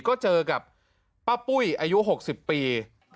ก็เจอกับป้าปุ้ยอายุ๖๐ปี